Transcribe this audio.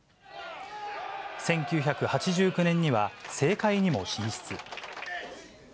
１９８９年には、政界にも進出。